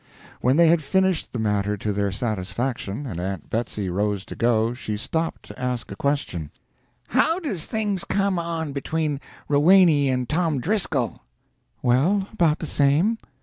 When they had finished the matter to their satisfaction, and Aunt Betsy rose to go, she stopped to ask a question: "How does things come on between Roweny and Tom Driscoll?" "Well, about the same.